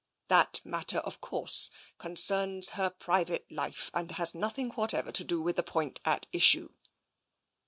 That matter, of course, concerns her private life, and has nothing whatever to do with the point at issue."